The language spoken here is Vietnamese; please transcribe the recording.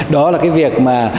đó là cái việc mà